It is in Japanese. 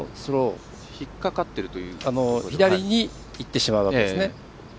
左にいってしまうわけですね。